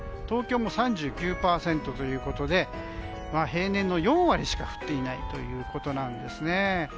東京も３９％ということで平年の４割しか降っていないということなんですね。